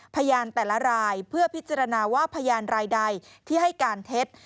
พยานแต่ละรายเพื่อพิจารณาว่าพยานรายใดที่ให้การเท็จ